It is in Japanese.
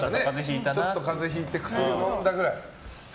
ちょっと風邪ひいて薬飲んだくらい。